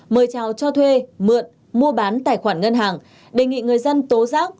mời chào cho thuê mượn mua bán tài khoản ngân hàng đề nghị người dân tố giác